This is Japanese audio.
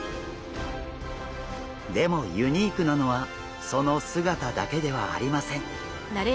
でもユニークなのはその姿だけではありません。